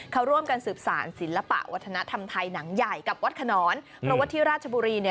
เขาร่วมกันสืบสารศิลปะวัฒนธรรมไทยหนังใหญ่กับวัดขนอนเพราะว่าที่ราชบุรีเนี่ย